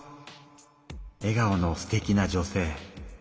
えがおのすてきな女性。